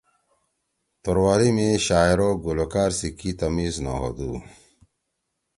توروالی می شاعر او گلوکار سی کی تمیز نہ ہودُو۔